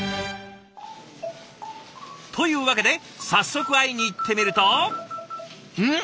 というわけで早速会いに行ってみるとん？